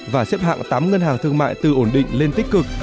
và xếp hạng tám ngân hàng thương mại từ ổn định lên tích cực